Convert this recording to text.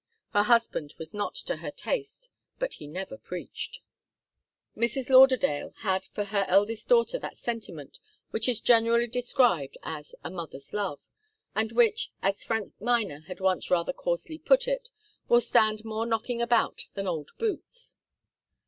Her husband was not to her taste, but he never preached. Mrs. Lauderdale had for her eldest daughter that sentiment which is generally described as a mother's love, and which, as Frank Miner had once rather coarsely put it, will stand more knocking about than old boots.